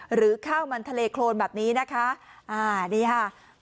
หรือข้าวมันทะเลโครนแบบนี้นะคะอ่านี่ค่ะ